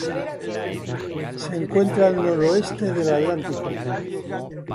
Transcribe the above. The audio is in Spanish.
Se encuentra al noroeste del Atlántico.